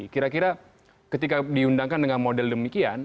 kira kira ketika diundangkan dengan model demikian